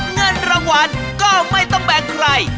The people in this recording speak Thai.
เงินรางวัลก็ไม่ต้องแบ่งใคร